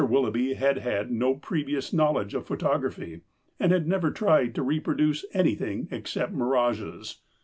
Willoughby had had no previous knowledge of photography, and had never tried to reproduce anything except mirages.